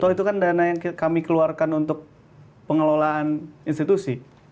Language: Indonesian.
toh itu kan dana yang kami keluarkan untuk pengelolaan institusi